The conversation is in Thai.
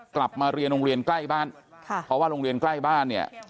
กลับมาเรียนโรงเรียนใกล้บ้านค่ะเพราะว่าโรงเรียนใกล้บ้านเนี่ย